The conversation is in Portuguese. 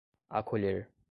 acolher